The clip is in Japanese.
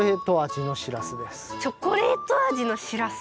チョコレート味のしらす？